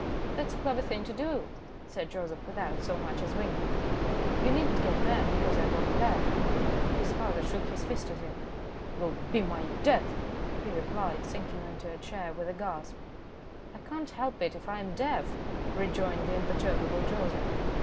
"That's a clever thing to do," said Joseph, without so much as winking. "You need not get mad because I won't bet." His father shook his fist at him. "You'll be my death," he replied, sinking into a chair with a gasp. "I can't help it if I am deaf," rejoined the imperturbable Joseph.